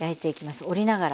折りながら。